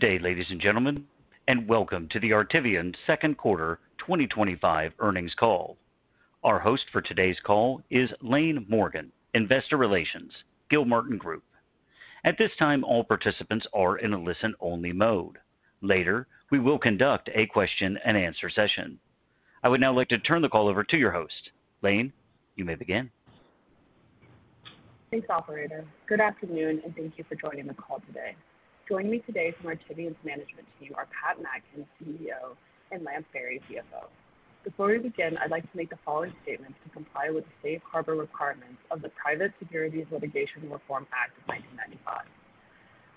Today, ladies and gentlemen, and welcome to the Artivion Second Quarter 2025 Earnings Call. Our host for today's call is Laine Morgan, Investor Relations, Gilmartin Group. At this time, all participants are in a listen-only mode. Later, we will conduct a question-and-answer session. I would now like to turn the call over to your host. Laine, you may begin. Thanks, operator. Good afternoon, and thank you for joining the call today. Joining me today from Artivion's Management Team are Pat Mackin, CEO, and Lance Berry, CFO. Before we begin, I'd like to make the following statements to comply with the safe harbor requirements of the Private Securities Litigation and Reform Act of 1995.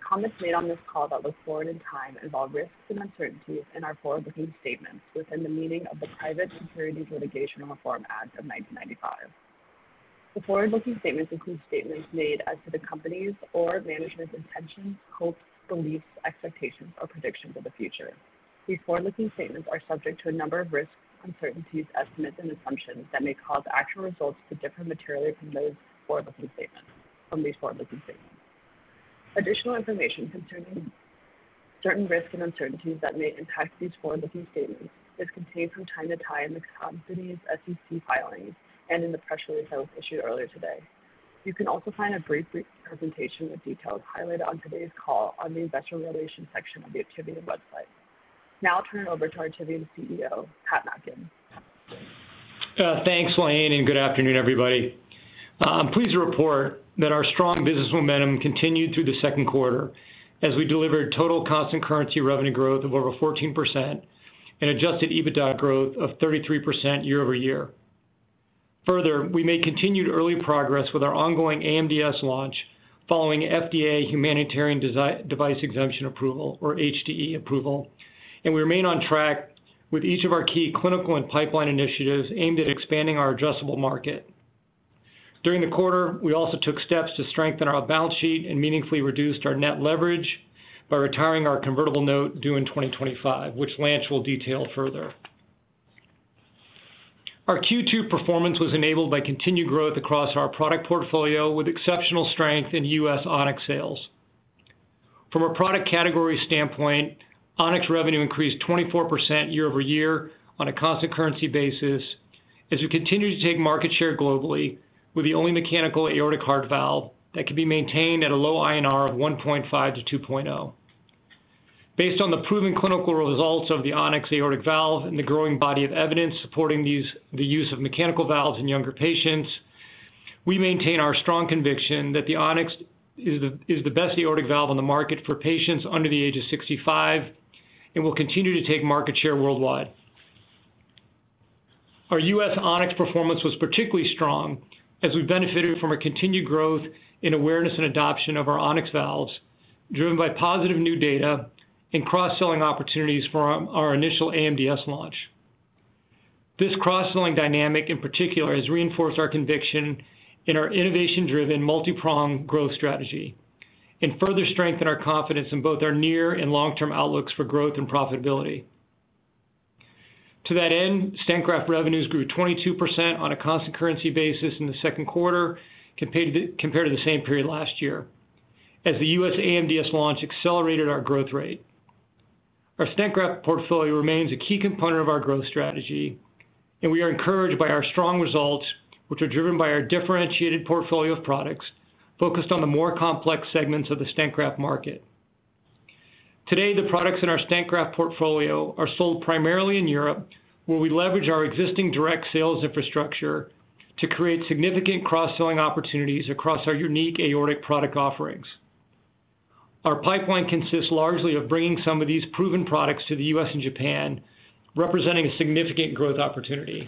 Comments made on this call that are forward in time involve risks and uncertainties in our forward-looking statements within the meaning of the Private Securities Litigation and Reform Act of 1995. The forward-looking statements include statements made as to the company's or management's intentions, hopes, beliefs, expectations, or predictions of the future. These forward-looking statements are subject to a number of risks, uncertainties, estimates, and assumptions that may cause actual results to differ materially from these forward-looking statements. Additional information concerning certain risks and uncertainties that may impact these forward-looking statements is contained from time to time in the company's SEC filings and in the press release that was issued earlier today. You can also find a brief presentation with details highlighted on today's call on the Investor Relations section of the Artivion website. Now I'll turn it over to Artivion's CEO, Pat Mackin. Thanks, Laine, and good afternoon, everybody. I'm pleased to report that our strong business momentum continued through the second quarter as we delivered total constant currency revenue growth of over 14% and adjusted EBITDA growth of 33% year-over-year. Further, we made continued early progress with our ongoing AMDS launch following FDA humanitarian device exemption approval, or HDE approval, and we remain on track with each of our key clinical and pipeline initiatives aimed at expanding our addressable market. During the quarter, we also took steps to strengthen our balance sheet and meaningfully reduced our net leverage by retiring our convertible notes due in 2025, which Lance will detail further. Our Q2 performance was enabled by continued growth across our product portfolio with exceptional strength in U.S. On-X sales. From a product category standpoint, On-X revenue increased 24% year-over-year on a constant currency basis as we continue to take market share globally with the only mechanical aortic heart valve that can be maintained at a low INR of 1.5-2.0. Based on the proven clinical results of the On-X Aortic Valve and the growing body of evidence supporting the use of mechanical valves in younger patients, we maintain our strong conviction that the On-X is the best aortic valve on the market for patients under the age of 65 and will continue to take market share worldwide. Our U.S. On-X performance was particularly strong as we benefited from continued growth in awareness and adoption of our On-X valves, driven by positive new data and cross-selling opportunities from our initial AMDS launch. This cross-selling dynamic, in particular, has reinforced our conviction in our innovation-driven multi-prong growth strategy and further strengthened our confidence in both our near and long-term outlooks for growth and profitability. To that end, Stent Graft revenues grew 22% on a constant currency basis in the second quarter compared to the same period last year as the U.S. AMDS launch accelerated our growth rate. Our Stent Graft portfolio remains a key component of our growth strategy, and we are encouraged by our strong results, which are driven by our differentiated portfolio of products focused on the more complex segments of the stent graft market. Today, the products in our Stent Graft portfolio are sold primarily in Europe, where we leverage our existing direct sales infrastructure to create significant cross-selling opportunities across our unique aortic product offerings. Our pipeline consists largely of bringing some of these proven products to the U.S. and Japan, representing a significant growth opportunity.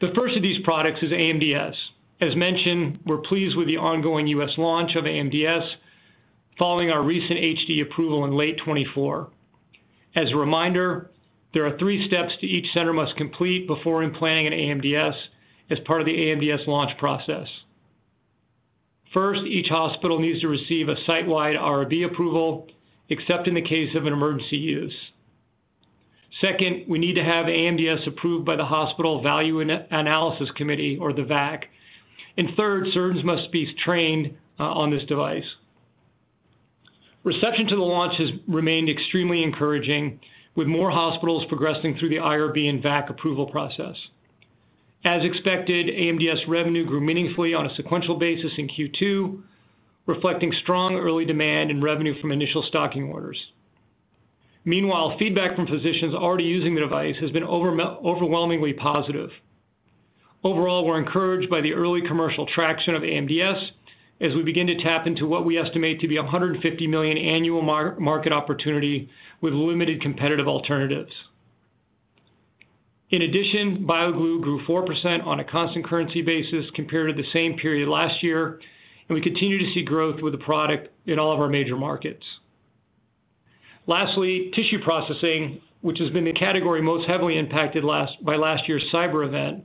The first of these products is AMDS. As mentioned, we're pleased with the ongoing U.S. launch of AMDS following our recent HDE approval in late 2024. As a reminder, there are three steps each center must complete before implanting an AMDS as part of the AMDS launch process. First, each hospital needs to receive a site-wide IRB approval, except in the case of an emergency use. Second, we need to have AMDS approved by the Hospital Value Analysis Committee, or the VAC. Third, surgeons must be trained on this device. Reception to the launch has remained extremely encouraging, with more hospitals progressing through the IRB and VAC approval process. As expected, AMDS revenue grew meaningfully on a sequential basis in Q2, reflecting strong early demand and revenue from initial stocking orders. Meanwhile, feedback from physicians already using the device has been overwhelmingly positive. Overall, we're encouraged by the early commercial traction of AMDS as we begin to tap into what we estimate to be a $150 million annual market opportunity with limited competitive alternatives. In addition, BioGlue grew 4% on a constant currency basis compared to the same period last year, and we continue to see growth with the product in all of our major markets. Lastly, tissue processing, which has been the category most heavily impacted by last year's cyber event,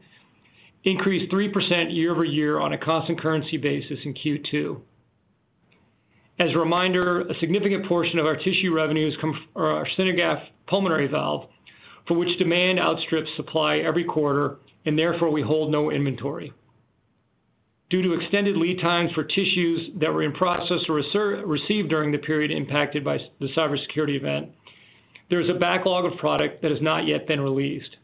increased 3% year-over-year on a constant currency basis in Q2. As a reminder, a significant portion of our tissue revenues come from our SynerGraft Pulmonary Valve, for which demand outstrips supply every quarter, and therefore we hold no inventory. Due to extended lead times for tissues that were in process or received during the period impacted by the cybersecurity event, there is a backlog of product that has not yet been released.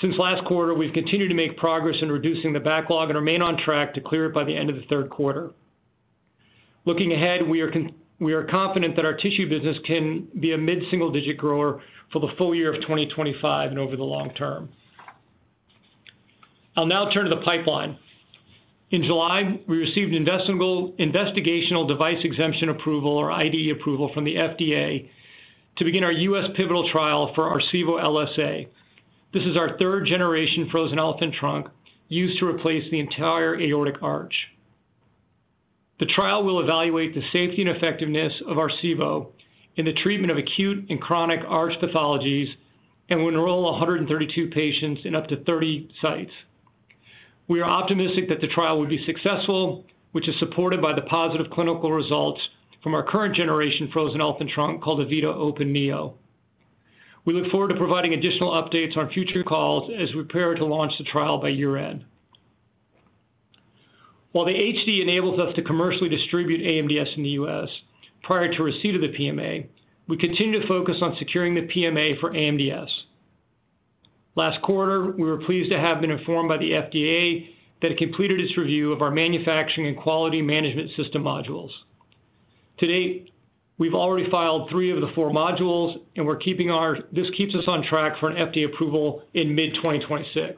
Since last quarter, we've continued to make progress in reducing the backlog and remain on track to clear it by the end of the third quarter. Looking ahead, we are confident that our tissue business can be a mid-single-digit grower for the full year of 2025 and over the long term. I'll now turn to the pipeline. In July, we received investigational device exemption approval, or IDE approval, from the FDA to begin our U.S. pivotal trial for Arcevo LSA. This is our 3rd-generation frozen elephant trunk used to replace the entire aortic arch. The trial will evaluate the safety and effectiveness of Arcevo in the treatment of acute and chronic arch pathologies and will enroll 132 patients in up to 30 sites. We are optimistic that the trial will be successful, which is supported by the positive clinical results from our current-generation frozen elephant trunk called E-vita Open Neo. We look forward to providing additional updates on future calls as we prepare to launch the trial by year end. While the HDE enables us to commercially distribute AMDS in the U.S. prior to receipt of the PMA, we continue to focus on securing the PMA for AMDS. Last quarter, we were pleased to have been informed by the FDA that it completed its review of our manufacturing and quality management system modules. To date, we've already filed three of the four modules, and this keeps us on track for an FDA approval in mid-2026.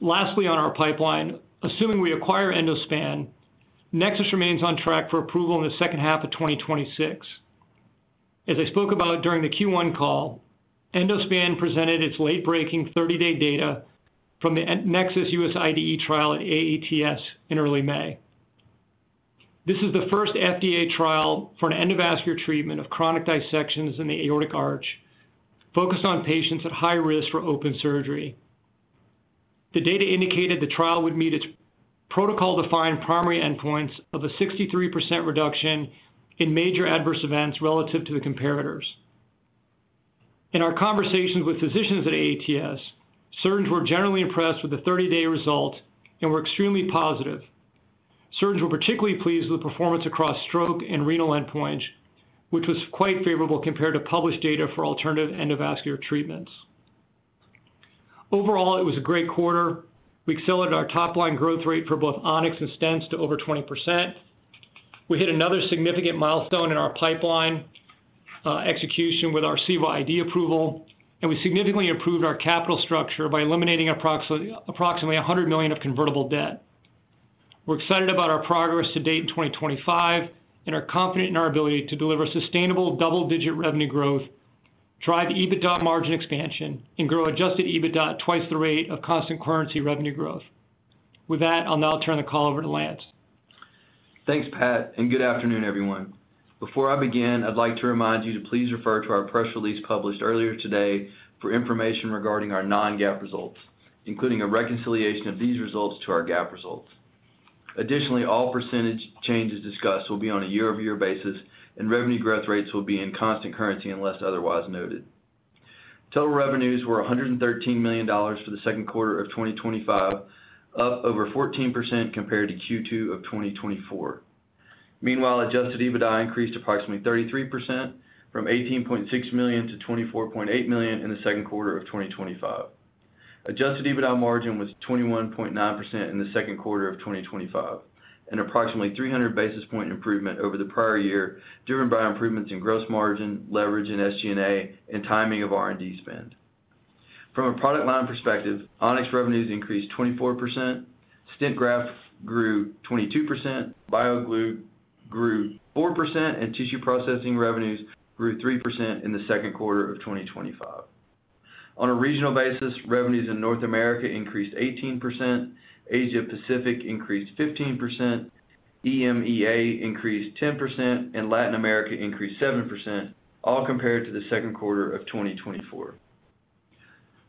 Lastly, on our pipeline, assuming we acquire Endospan, NEXUS remains on track for approval in the second half of 2026. As I spoke about during the Q1 call, Endospan presented its late-breaking 30-day data from the NEXUS U.S. IDE trial at AATS in early May. This is the first FDA trial for an endovascular treatment of chronic dissections in the aortic arch, focused on patients at high risk for open surgery. The data indicated the trial would meet its protocol-defined primary endpoints of a 63% reduction in major adverse events relative to the competitors. In our conversations with physicians at AATS, surgeons were generally impressed with the 30-day results and were extremely positive. Surgeons were particularly pleased with the performance across stroke and renal endpoints, which was quite favorable compared to published data for alternative endovascular treatments. Overall, it was a great quarter. We accelerated our top-line growth rate for both On-X and Stent portfolio to over 20%. We hit another significant milestone in our pipeline execution with Arcevo IDE approval, and we significantly improved our capital structure by eliminating approximately $100 million of convertible debt. We're excited about our progress to date in 2025 and are confident in our ability to deliver sustainable double-digit revenue growth, drive EBITDA margin expansion, and grow adjusted EBITDA at twice the rate of constant currency revenue growth. With that, I'll now turn the call over to Lance. Thanks, Pat, and good afternoon, everyone. Before I begin, I'd like to remind you to please refer to our press release published earlier today for information regarding our non-GAAP results, including a reconciliation of these results to our GAAP results. Additionally, all percentage changes discussed will be on a year-over-year basis, and revenue growth rates will be in constant currency unless otherwise noted. Total revenues were $113 million for the second quarter of 2025, up over 14% compared to Q2 of 2024. Meanwhile, adjusted EBITDA increased approximately 33% from $18.6 million to $24.8 million in the second quarter of 2025. Adjusted EBITDA margin was 21.9% in the second quarter of 2025, an approximately 300 basis point improvement over the prior year, driven by improvements in gross margin, leverage in SG&A, and timing of R&D spend. From a product line perspective, On-X revenues increased 24%, Stent Graft grew 22%, BioGlue grew 4%, and tissue processing revenues grew 3% in the second quarter of 2025. On a regional basis, revenues in North America increased 18%, Asia-Pacific increased 15%, EMEA increased 10%, and Latin America increased 7%, all compared to the second quarter of 2024.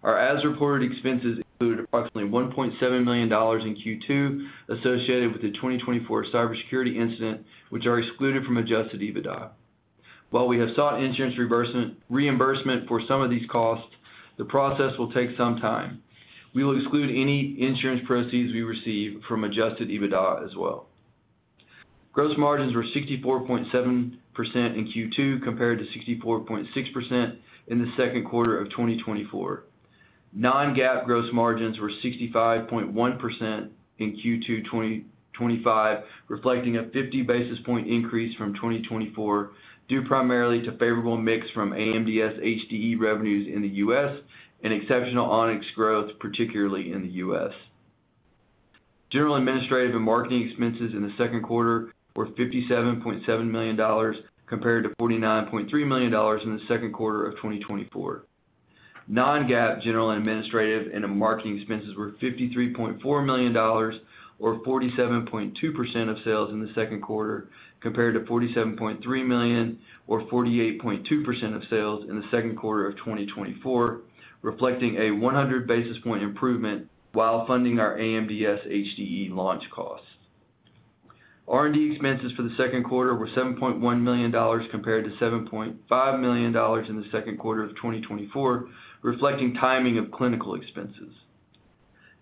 Our as-reported expenses included approximately $1.7 million in Q2 associated with the 2024 cybersecurity incident, which are excluded from adjusted EBITDA. While we have sought insurance reimbursement for some of these costs, the process will take some time. We will exclude any insurance proceeds we receive from adjusted EBITDA as well. Gross margins were 64.7% in Q2 compared to 64.6% in the second quarter of 2024. Non-GAAP gross margins were 65.1% in Q2 2025, reflecting a 50 basis point increase from 2024, due primarily to favorable mix from AMDS HDE revenues in the U.S. and exceptional On-X growth, particularly in the U.S. General administrative and marketing expenses in the second quarter were $57.7 million compared to $49.3 million in the second quarter of 2024. Non-GAAP general and administrative and marketing expenses were $53.4 million, or 47.2% of sales in the second quarter compared to $47.3 million, or 48.2% of sales in the second quarter of 2024, reflecting a 100 basis point improvement while funding our AMDS HDE launch costs. R&D expenses for the second quarter were $7.1 million compared to $7.5 million in the second quarter of 2024, reflecting timing of clinical expenses.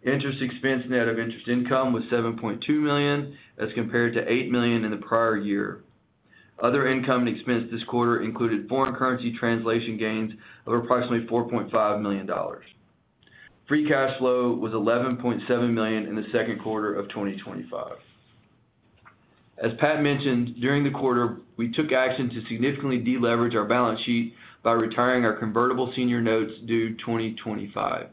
Interest expense net of interest income was $7.2 million as compared to $8 million in the prior year. Other income and expense this quarter included foreign currency translation gains of approximately $4.5 million. Free cash flow was $11.7 million in the second quarter of 2025. As Pat mentioned, during the quarter, we took action to significantly deleverage our balance sheet by retiring our convertible senior notes due 2025.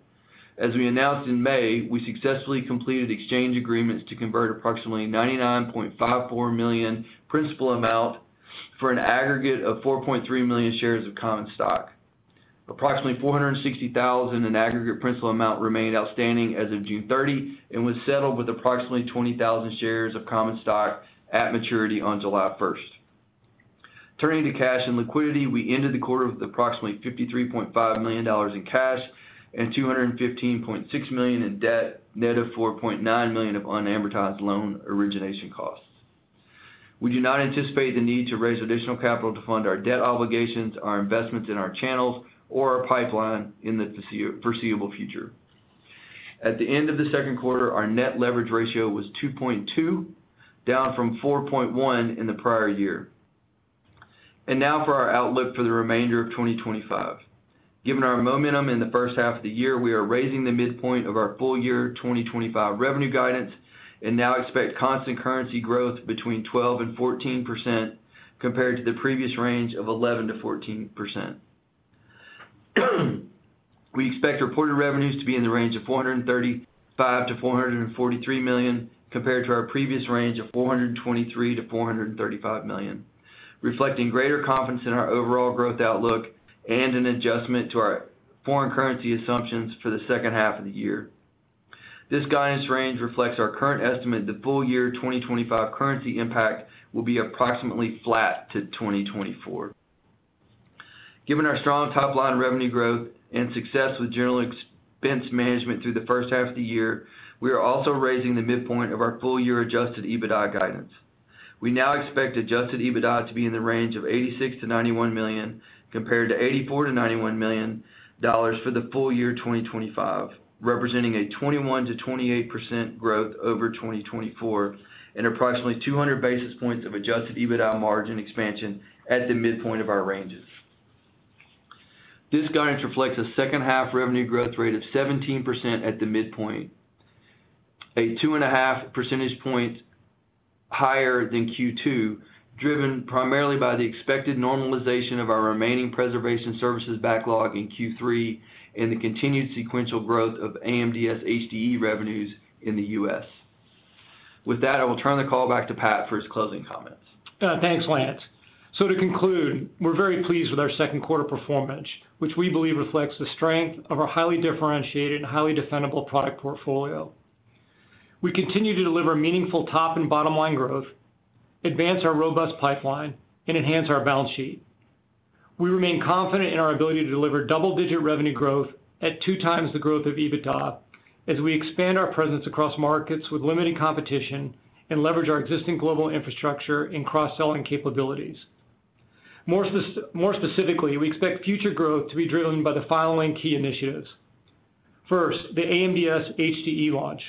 As we announced in May, we successfully completed exchange agreements to convert approximately $99.54 million principal amount for an aggregate of 4.3 million shares of common stock. Approximately $460,000 in aggregate principal amount remained outstanding as of June 30 and was settled with approximately 20,000 shares of common stock at maturity on July 1st. Turning to cash and liquidity, we ended the quarter with approximately $53.5 million in cash and $215.6 million in debt, net of $4.9 million of unamortized loan origination costs. We do not anticipate the need to raise additional capital to fund our debt obligations, our investments in our channels, or our pipeline in the foreseeable future. At the end of the second quarter, our net leverage ratio was 2.2, down from 4.1 in the prior year. For our outlook for the remainder of 2025, given our momentum in the first half of the year, we are raising the midpoint of our full-year 2025 revenue guidance and now expect constant currency growth between 12% and 14% compared to the previous range of 11%-14%. We expect reported revenues to be in the range of $435 million-$443 million compared to our previous range of $423 million-$435 million, reflecting greater confidence in our overall growth outlook and an adjustment to our foreign currency assumptions for the second half of the year. This guidance range reflects our current estimate that full-year 2025 currency impact will be approximately flat to 2024. Given our strong top-line revenue growth and success with general expense management through the first half of the year, we are also raising the midpoint of our full-year adjusted EBITDA guidance. We now expect adjusted EBITDA to be in the range of $86 million-$91 million compared to $84 million-$91 million for the full-year 2025, representing a 21%-28% growth over 2024 and approximately 200 basis points of adjusted EBITDA margin expansion at the midpoint of our ranges. This guidance reflects a second-half revenue growth rate of 17% at the midpoint, a 2.5% point higher than Q2, driven primarily by the expected normalization of our remaining preservation services backlog in Q3 and the continued sequential growth of AMDS HDE revenues in the U.S. With that, I will turn the call back to Pat for his closing comments. Thanks, Lance. To conclude, we're very pleased with our second quarter performance, which we believe reflects the strength of our highly differentiated and highly defendable product portfolio. We continue to deliver meaningful top and bottom line growth, advance our robust pipeline, and enhance our balance sheet. We remain confident in our ability to deliver double-digit revenue growth at two times the growth of EBITDA as we expand our presence across markets with limited competition and leverage our existing global infrastructure and cross-selling capabilities. More specifically, we expect future growth to be driven by the following key initiatives. First, the AMDS HDE launch.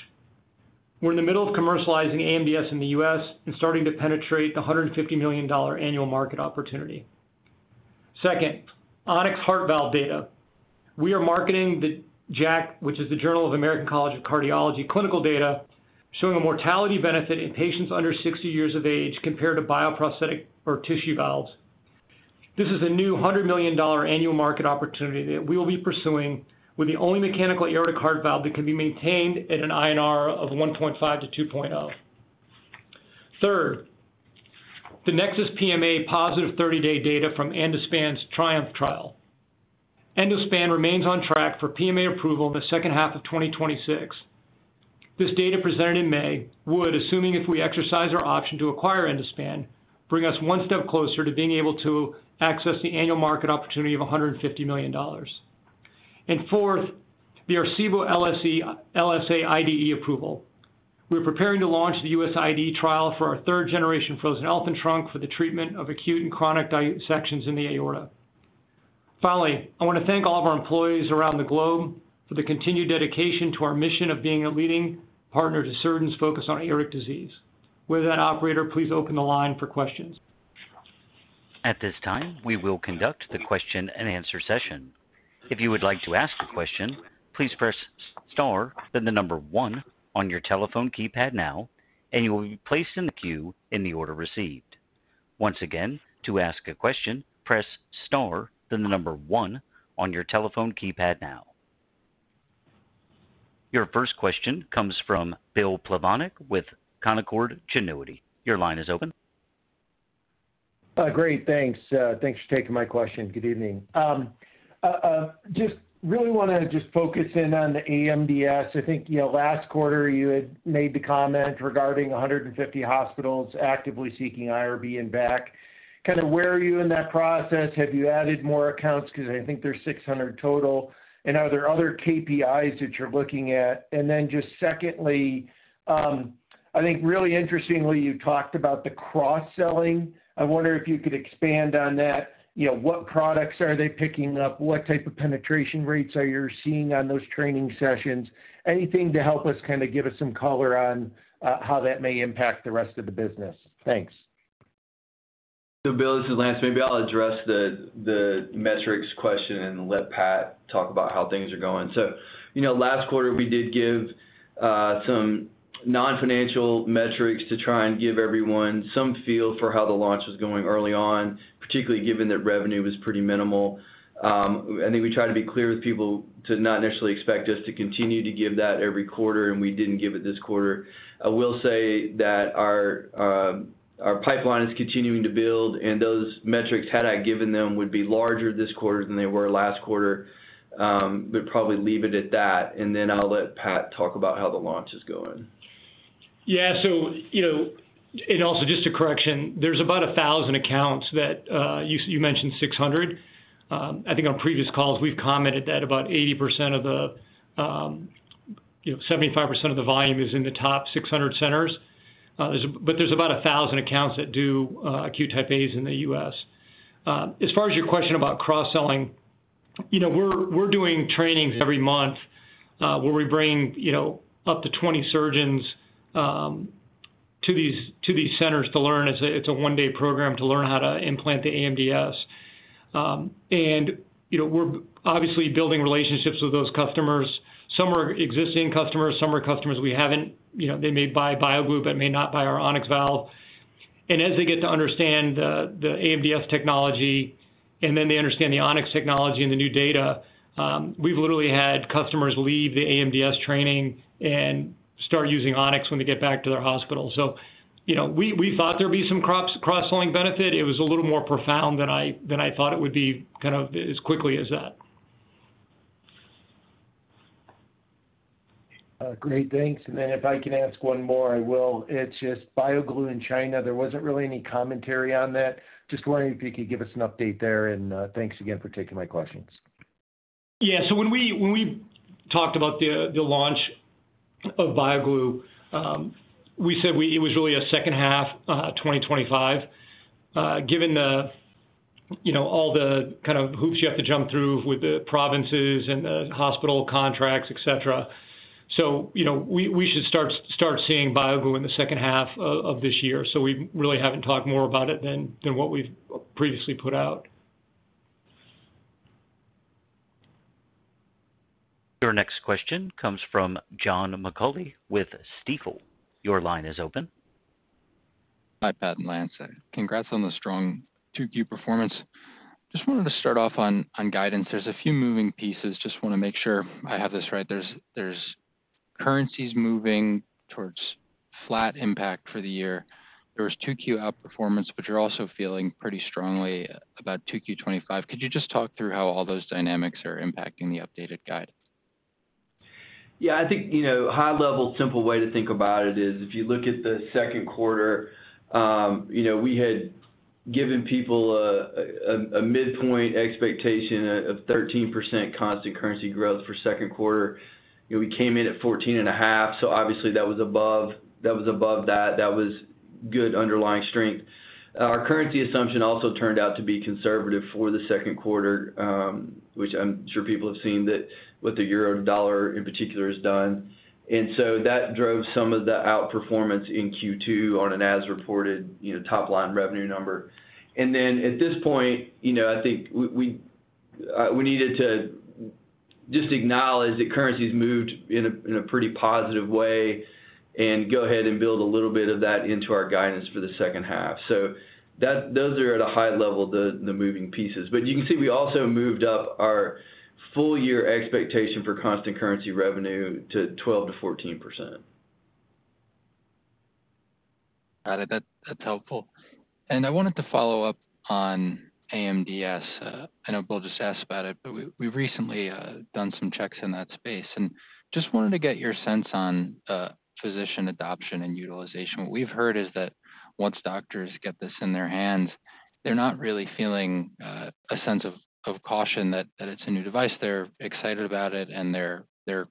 We're in the middle of commercializing AMDS in the U.S. and starting to penetrate the $150 million annual market opportunity. Second, On-X Heart Valve data. We are marketing the JACC, which is the Journal of the American College of Cardiology, clinical data showing a mortality benefit in patients under 60 years of age compared to bioprosthetic or tissue valves. This is a new $100 million annual market opportunity that we will be pursuing with the only mechanical aortic heart valve that can be maintained at an INR of 1.5-2.0. Third, the NEXUS PMA positive 30-day data from Endospan's TRIUMPH trial. Endospan remains on track for PMA approval in the second half of 2026. This data presented in May would, assuming we exercise our option to acquire Endospan, bring us one step closer to being able to access the annual market opportunity of $150 million. Fourth, the Arcevo LSA IDE approval. We're preparing to launch the U.S. IDE trial for our 3rd-generation frozen elephant trunk for the treatment of acute and chronic dissections in the aorta. Finally, I want to thank all of our employees around the globe for the continued dedication to our mission of being a leading partner to surgeons focused on aortic disease. With that, operator, please open the line for questions. At this time, we will conduct the question-and-answer session. If you would like to ask a question, please press star then the number one on your telephone keypad now, and you will be placed in the queue in the order received. Once again, to ask a question, press star then the number one on your telephone keypad now. Your first question comes from Bill Plovanic with Canaccord Genuity. Your line is open. Great, thanks. Thanks for taking my question. Good evening. Just really want to just focus in on the AMDS. I think, you know, last quarter you had made the comment regarding 150 hospitals actively seeking IRB and VAC. Kind of where are you in that process? Have you added more accounts? Because I think there's 600 total. Are there other KPIs that you're looking at? Secondly, I think really interestingly, you talked about the cross-selling. I wonder if you could expand on that. You know, what products are they picking up? What type of penetration rates are you seeing on those training sessions? Anything to help us kind of give us some color on how that may impact the rest of the business. Thanks. Bill, this is Lance. Maybe I'll address the metrics question and let Pat talk about how things are going. Last quarter we did give some non-financial metrics to try and give everyone some feel for how the launch was going early on, particularly given that revenue was pretty minimal. I think we try to be clear with people to not necessarily expect us to continue to give that every quarter, and we didn't give it this quarter. I will say that our pipeline is continuing to build, and those metrics, had I given them, would be larger this quarter than they were last quarter. Probably leave it at that. I'll let Pat talk about how the launch is going. Yeah, so, you know, and also just a correction, there's about 1,000 accounts that you mentioned 600. I think on previous calls we've commented that about 80% of the, you know, 75% of the volume is in the top 600 centers. There's about 1,000 accounts that do acute type A's in the U.S. As far as your question about cross-selling, we're doing trainings every month where we bring up to 20 surgeons to these centers to learn. It's a one-day program to learn how to implant the AMDS. We're obviously building relationships with those customers. Some are existing customers. Some are customers we haven't. They may buy BioGlue but may not buy our On-X valve. As they get to understand the AMDS technology and then they understand the On-X technology and the new data, we've literally had customers leave the AMDS training and start using On-X when they get back to their hospital. We thought there'd be some cross-selling benefit. It was a little more profound than I thought it would be kind of as quickly as that. Great, thanks. If I can ask one more, I will. It's just BioGlue in China. There wasn't really any commentary on that. Just wondering if you could give us an update there. Thanks again for taking my questions. Yeah, when we talked about the launch of BioGlue, we said it was really a second half 2025, given all the kind of hoops you have to jump through with the provinces and the hospital contracts, et cetera. We should start seeing BioGlue in the second half of this year. We really haven't talked more about it than what we've previously put out. Your next question comes fro`m John McAulay with Stifel. Your line is open. Hi, Pat and Lance. Congrats on the strong Q2 performance. Just wanted to start off on guidance. There's a few moving pieces. Just want to make sure I have this right. There's currencies moving towards flat impact for the year. There was Q2 outperformance, but you're also feeling pretty strongly about Q2 2025. Could you just talk through how all those dynamics are impacting the updated guidance? Yeah, I think a high-level simple way to think about it is if you look at the second quarter, we had given people a midpoint expectation of 13% constant currency growth for the second quarter. We came in at 14.5%. Obviously, that was above that. That was good underlying strength. Our currency assumption also turned out to be conservative for the second quarter, which I'm sure people have seen what the euro to dollar in particular has done. That drove some of the outperformance in Q2 on an as-reported, top-line revenue number. At this point, I think we needed to just acknowledge that currencies moved in a pretty positive way and go ahead and build a little bit of that into our guidance for the second half. Those are at a high level the moving pieces. You can see we also moved up our full-year expectation for constant currency revenue to 12%-14%. Got it. That's helpful. I wanted to follow up on AMDS. I know Bill just asked about it, but we've recently done some checks in that space. I just wanted to get your sense on physician adoption and utilization. What we've heard is that once doctors get this in their hands, they're not really feeling a sense of caution that it's a new device. They're excited about it, and they're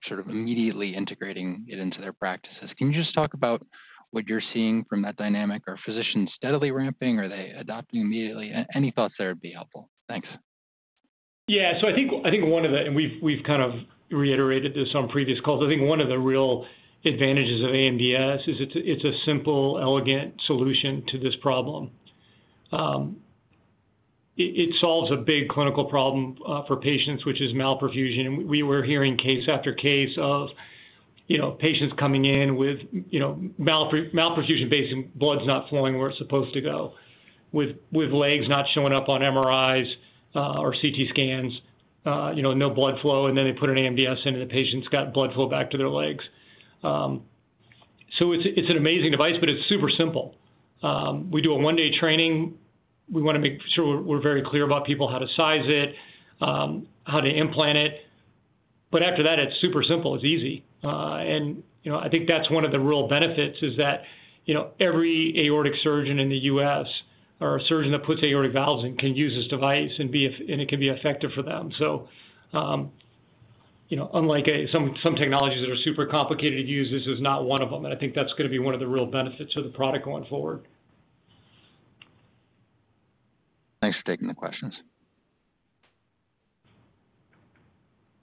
sort of immediately integrating it into their practices. Can you just talk about what you're seeing from that dynamic? Are physicians steadily ramping? Are they adopting immediately? Any thoughts there would be helpful. Thanks. Yeah, so I think one of the, and we've kind of reiterated this on previous calls, I think one of the real advantages of AMDS is it's a simple, elegant solution to this problem. It solves a big clinical problem for patients, which is malperfusion. We're hearing case after case of patients coming in with malperfusion, basically, blood's not flowing where it's supposed to go, with legs not showing up on MRIs or CT scans, no blood flow. They put an AMDS in, and the patient's got blood flow back to their legs. It's an amazing device, but it's super simple. We do a one-day training. We want to make sure we're very clear about people, how to size it, how to implant it. After that, it's super simple. It's easy. I think that's one of the real benefits, that every aortic surgeon in the U.S. or a surgeon that puts aortic valves in can use this device and it can be effective for them. Unlike some technologies that are super complicated to use, this is not one of them. I think that's going to be one of the real benefits of the product going forward. Thanks for taking the questions.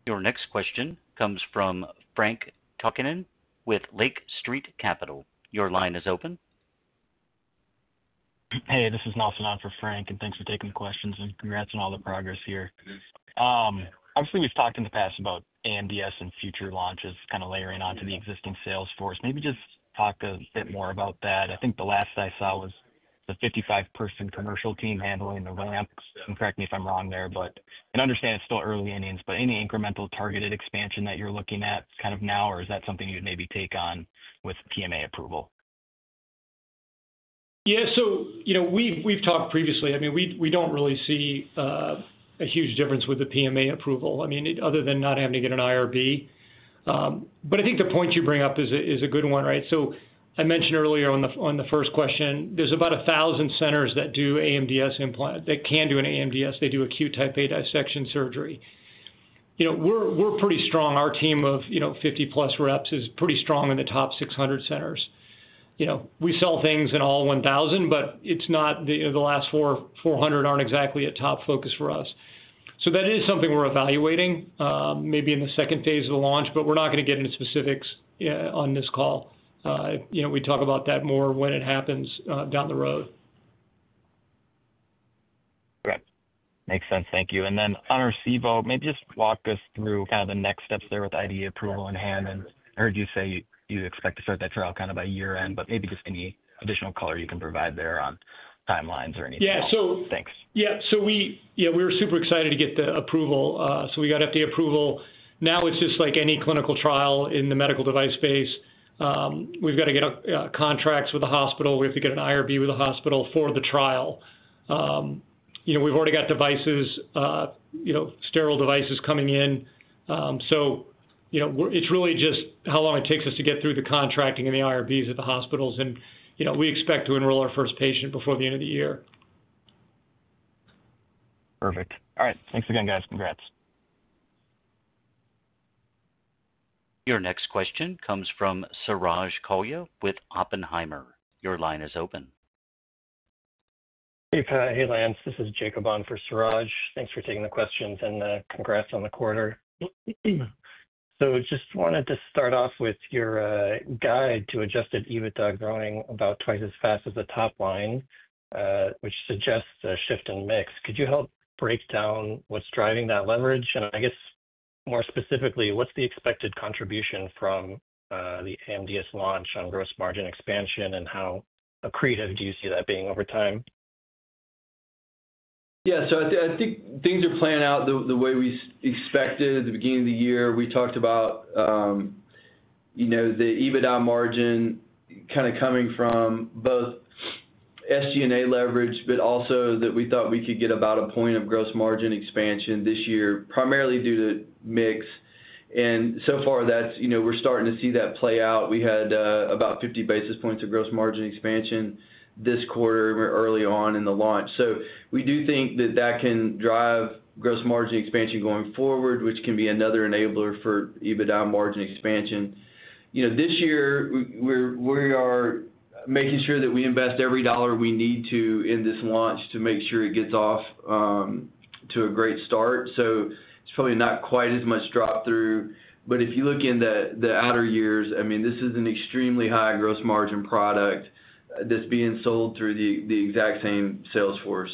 Your next question comes from Frank Takkinen with Lake Street Capital. Your line is open. Hey, this is Nelson on for Frank, and thanks for taking the questions and congrats on all the progress here. Obviously, we've talked in the past about AMDS and future launches kind of layering onto the existing sales force. Maybe just talk a bit more about that. I think the last I saw was the 55-person commercial team handling the ramp. Correct me if I'm wrong there, but I understand it's still early innings, but any incremental targeted expansion that you're looking at kind of now, or is that something you'd maybe take on with PMA approval? Yeah, we've talked previously. I mean, we don't really see a huge difference with the PMA approval, other than not having to get an IRB. I think the point you bring up is a good one, right? I mentioned earlier on the first question, there's about 1,000 centers that do AMDS implant that can do an AMDS. They do acute type A dissection surgery. We're pretty strong. Our team of 50+ reps is pretty strong in the top 600 centers. We sell things in all 1,000, but the last 400 aren't exactly a top focus for us. That is something we're evaluating maybe in the second phase of the launch, but we're not going to get into specifics on this call. We talk about that more when it happens down the road. Okay. Makes sense. Thank you. On Arcevo, maybe just walk us through kind of the next steps there with IDE approval in hand. I heard you say you expect to start that trial kind of by year end, but maybe just any additional color you can provide there on timelines or anything. Yeah, so thanks. We were super excited to get the approval. We got FDA approval. Now it's just like any clinical trial in the medical device space. We've got to get contracts with the hospital. We have to get an IRB with the hospital for the trial. We've already got devices, sterile devices coming in. It's really just how long it takes us to get through the contracting and the IRBs at the hospitals. We expect to enroll our first patient before the end of the year. Perfect. All right. Thanks again, guys. Congrats. Your next question comes from Suraj Kalia with Oppenheimer. Your line is open. Hey, Pat. Hey, Lance. This is Jacob on for Suraj. Thanks for taking the questions and congrats on the quarter. I just wanted to start off with your guide to adjusted EBITDA growing about twice as fast as the top line, which suggests a shift in mix. Could you help break down what's driving that leverage? More specifically, what's the expected contribution from the AMDS launch on gross margin expansion and how accretive do you see that being over time? Yeah, I think things are playing out the way we expected at the beginning of the year. We talked about the EBITDA margin kind of coming from both SG&A leverage, but also that we thought we could get about a point of gross margin expansion this year, primarily due to mix. So far, that's starting to see that play out. We had about 50 basis points of gross margin expansion this quarter early on in the launch. We do think that can drive gross margin expansion going forward, which can be another enabler for EBITDA margin expansion. This year, we are making sure that we invest every dollar we need to in this launch to make sure it gets off to a great start. It's probably not quite as much drop-through. If you look in the outer years, this is an extremely high gross margin product that's being sold through the exact same sales force.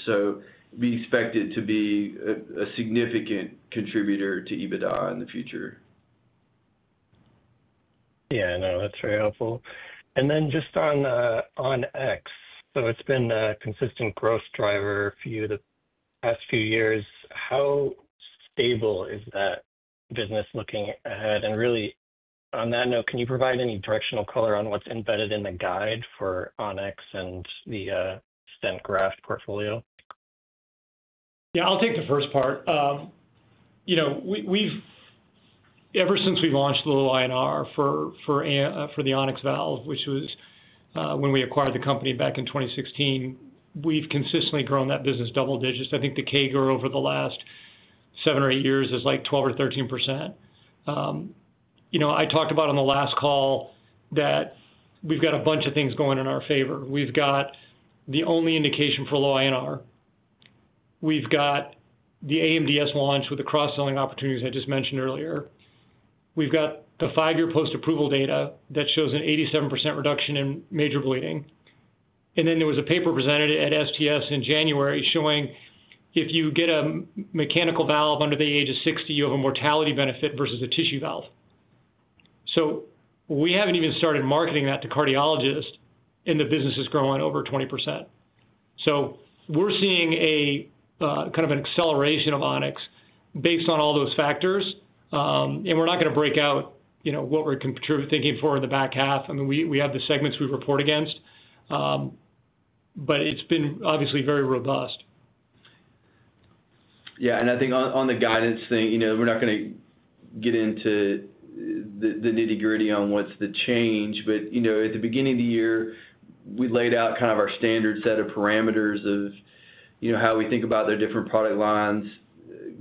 We expect it to be a significant contributor to EBITDA in the future. Yeah, that's very helpful. Just on On-X, it's been a consistent growth driver for you the past few years. How stable is that business looking ahead? On that note, can you provide any directional color on what's embedded in the guide for On-X and the Stent Graft portfolio? Yeah, I'll take the first part. You know, ever since we've launched a low INR for the On-X valve, which was when we acquired the company back in 2016, we've consistently grown that business double digits. I think the CAGR over the last seven or eight years is like 12% or 13%. I talked about on the last call that we've got a bunch of things going in our favor. We've got the only indication for low INR. We've got the AMDS launch with the cross-selling opportunities I just mentioned earlier. We've got the five-year post-approval data that shows an 87% reduction in major bleeding. There was a paper presented at STS in January showing if you get a mechanical valve under the age of 60, you have a mortality benefit versus a tissue valve. We haven't even started marketing that to cardiologists, and the business is growing over 20%. We're seeing a kind of an acceleration of On-X based on all those factors. We're not going to break out what we're contributing for in the back half. I mean, we have the segments we report against. It's been obviously very robust. Yeah, I think on the guidance thing, we're not going to get into the nitty-gritty on what's the change. At the beginning of the year, we laid out kind of our standard set of parameters of how we think about the different product lines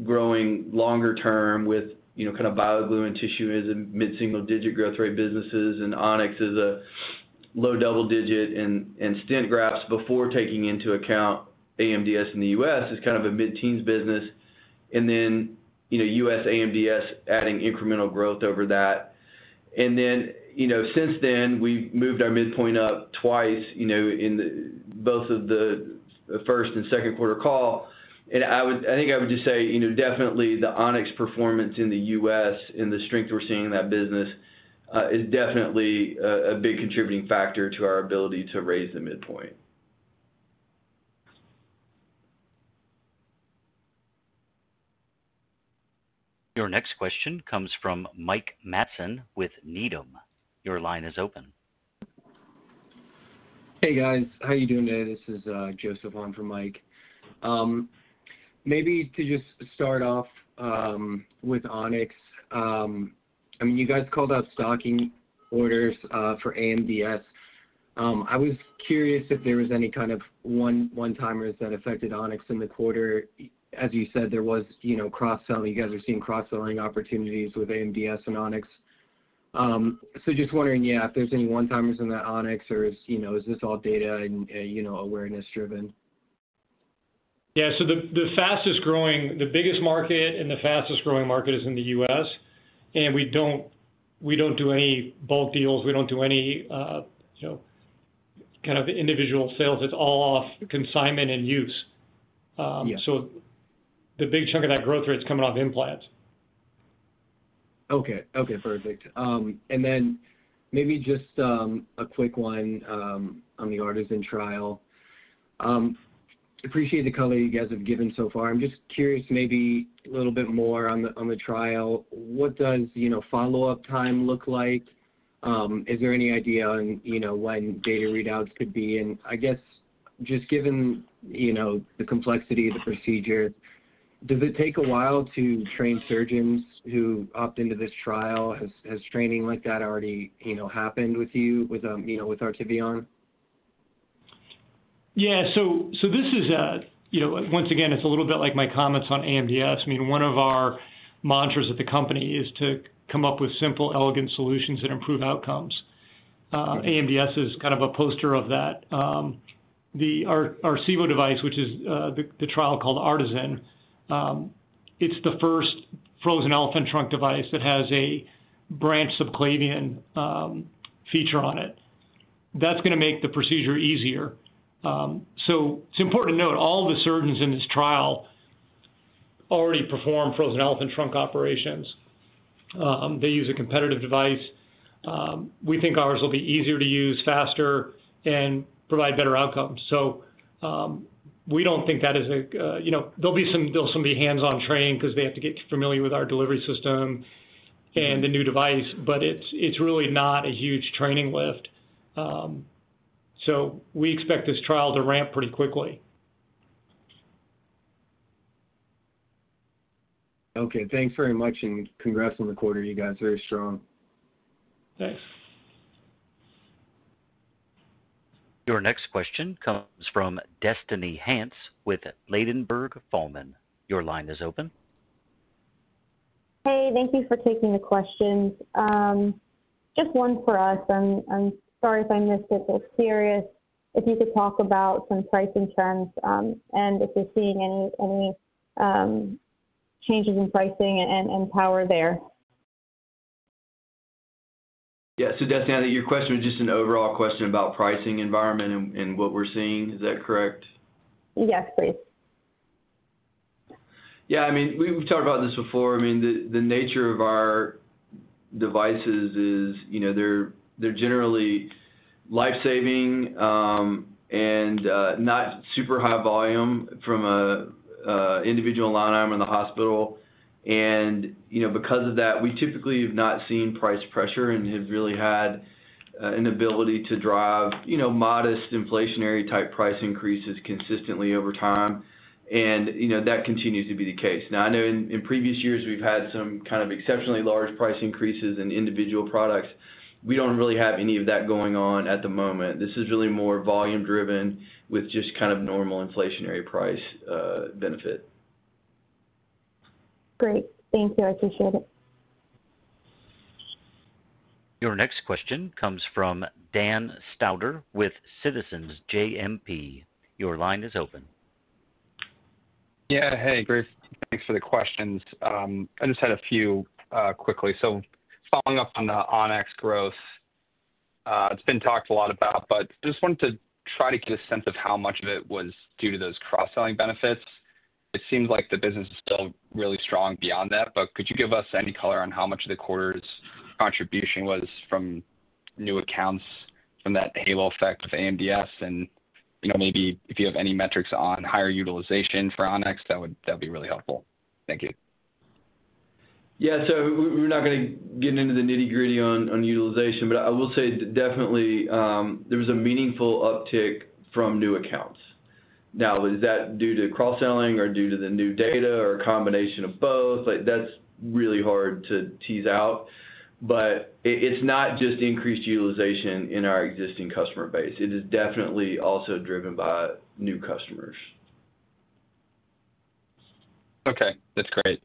growing longer term with BioGlue and tissue as mid-single-digit growth rate businesses and On-X as a low double-digit and Stent Graft before taking into account AMDS in the U.S. as kind of a mid-teens business. U.S. AMDS adds incremental growth over that. Since then, we've moved our midpoint up twice, in both the first and second quarter call. I would just say, definitely the On-X performance in the U.S. and the strength we're seeing in that business is definitely a big contributing factor to our ability to raise the midpoint. Your next question comes from Mike Matson with Needham. Your line is open. Hey, guys. How are you doing today? This is Joseph on for Mike. Maybe to just start off with On-X, I mean, you guys called out stocking orders for AMDS. I was curious if there was any kind of one-timers that affected On-X in the quarter. As you said, there was, you know, cross-selling. You guys are seeing cross-selling opportunities with AMDS and On-X. Just wondering if there's any one-timers in the On-X or is this all data and awareness-driven? Yeah, the biggest market and the fastest growing market is in the U.S. We don't do any bulk deals or any kind of individual sales. It's all off consignment and use. The big chunk of that growth rate is coming off implants. Okay, perfect. Maybe just a quick one on the ARTISAN trial. Appreciate the color you guys have given so far. I'm just curious maybe a little bit more on the trial. What does, you know, follow-up time look like? Is there any idea on, you know, when data readouts could be? I guess just given, you know, the complexity of the procedure, does it take a while to train surgeons who opt into this trial? Has training like that already, you know, happened with you, with Artivion? Yeah, so this is, you know, once again, it's a little bit like my comments on AMDS. I mean, one of our mantras at the company is to come up with simple, elegant solutions that improve outcomes. AMDS is kind of a poster of that. The Arcevo device, which is the trial called ARTISAN, it's the first frozen elephant trunk device that has a branch subclavian feature on it. That's going to make the procedure easier. It's important to note all of the surgeons in this trial already perform frozen elephant trunk operations. They use a competitive device. We think ours will be easier to use, faster, and provide better outcomes. We don't think that is a, you know, there'll be some, there'll be hands-on training because they have to get familiar with our delivery system and the new device, but it's really not a huge training lift. We expect this trial to ramp pretty quickly. Okay, thanks very much and congrats on the quarter, you guys, very strong. Thanks. Your next question comes from Destiny Hance with Ladenburg Thalmann. Your line is open. Thank you for taking the question. Just one for us. I'm sorry if I missed it, but if you could talk about some pricing trends and if you're seeing any changes in pricing and power there. Yeah, Destiny, I think your question was just an overall question about the pricing environment and what we're seeing. Is that correct? Yes, please. Yeah, we've talked about this before. The nature of our devices is, you know, they're generally life-saving and not super high volume from an individual line item in the hospital. Because of that, we typically have not seen price pressure and have really had an ability to drive, you know, modest inflationary type price increases consistently over time. That continues to be the case. I know in previous years we've had some kind of exceptionally large price increases in individual products. We don't really have any of that going on at the moment. This is really more volume-driven with just kind of normal inflationary price benefit. Great. Thank you. I appreciate it. Your next question comes from Dan Stauder with Citizens JMP. Your line is open. Yeah, hey, great. Thanks for the questions. I just had a few quickly. Following up on the On-X growth, it's been talked a lot about, but I just wanted to try to get a sense of how much of it was due to those cross-selling benefits. It seems like the business is still really strong beyond that, but could you give us any color on how much of the quarter's contribution was from new accounts from that halo effect with AMDS? You know, maybe if you have any metrics on higher utilization for On-X, that would be really helpful. Thank you. Yeah, we're not going to get into the nitty-gritty on utilization, but I will say definitely there was a meaningful uptick from new accounts. Now, was that due to cross-selling or due to the new data or a combination of both? That's really hard to tease out. It's not just increased utilization in our existing customer base. It is definitely also driven by new customers. Okay, that's great.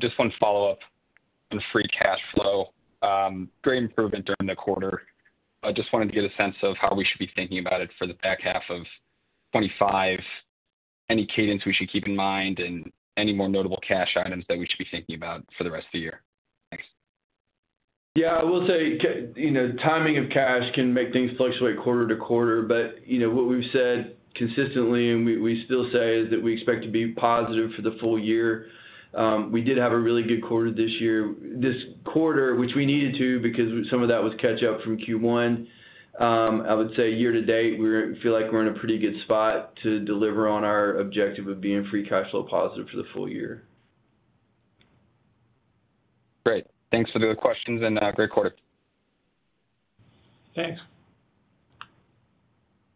Just one follow-up on free cash flow. Great improvement during the quarter. I just wanted to get a sense of how we should be thinking about it for the back half of 2025, any cadence we should keep in mind, and any more notable cash items that we should be thinking about for the rest of the year. Thanks. Yeah, I will say, you know, timing of cash can make things fluctuate quarter-to-quarter, but, you know, what we've said consistently and we still say is that we expect to be positive for the full year. We did have a really good quarter this year. This quarter, which we needed to because some of that was catch-up from Q1. I would say year to date, we feel like we're in a pretty good spot to deliver on our objective of being free cash flow positive for the full year. Great. Thanks for the questions and great quarter. Thanks.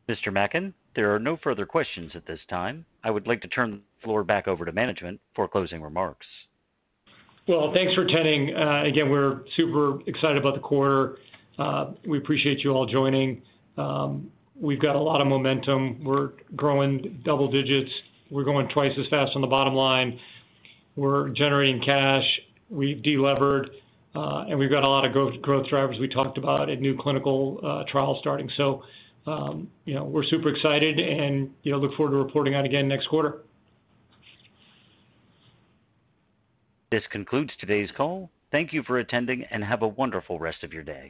Mr. Mackin, there are no further questions at this time. I would like to turn the floor back over to management for closing remarks. Thank you for attending. Again, we're super excited about the quarter. We appreciate you all joining. We've got a lot of momentum. We're growing double digits. We're going twice as fast on the bottom line. We're generating cash. We've delevered, and we've got a lot of growth drivers we talked about in new clinical trials starting. We're super excited and look forward to reporting on it again next quarter. This concludes today's call. Thank you for attending and have a wonderful rest of your day.